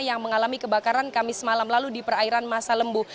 yang mengalami kebakaran kamis malam lalu di perairan masa lembu